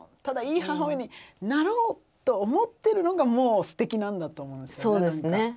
ただいい母親になろうと思ってるのがもうステキなんだと思いますよね。